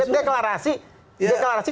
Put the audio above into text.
deklarasi kan definisinya lain